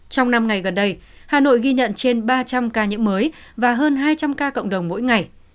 trong năm ngày gần đây hà nội ghi nhận trên ba trăm linh ca nhiễm mới và hơn hai trăm linh ca cộng đồng mỗi ngày